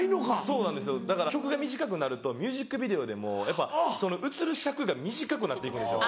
そうなんですよだから曲が短くなるとミュージックビデオでもやっぱ映る尺が短くなっていくんですよ。